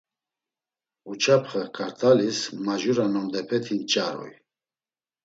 Uǩaçxe kart̆alis majura nondepeti nç̌aruy.